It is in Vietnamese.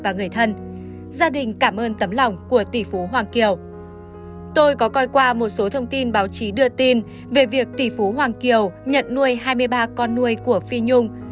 người việt hoàng kiều nhận nuôi hai mươi ba con nuôi của phi nhung